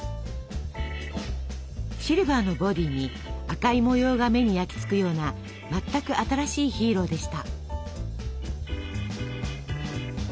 シルバーのボディーに赤い模様が目に焼き付くような全く新しいヒーローでした。